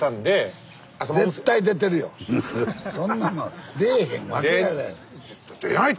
そんなもん出えへんわけがない。